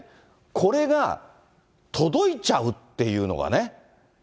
これが届いちゃうっていうのがね。